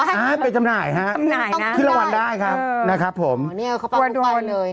ใช่ไปจำหน่ายครับขึ้นรางวัลได้ครับนะครับผมโอ้โฮนี่เขาต้องปล่อยเลย